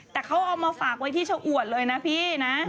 แต่เขาเอามาฝากไว้ที่ชะอวดเลยนะพี่นะ